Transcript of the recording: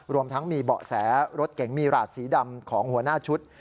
รวมทั้งมีเบาะแสรถเก๋งมีหลาดสีดำของหัวหน้าชุด